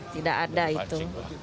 tidak ada itu